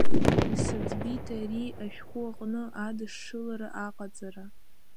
Исыӡбит ари ашәҟәы аҟны адышшылара аҟаҵара.